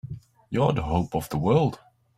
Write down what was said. You're the hope of the world!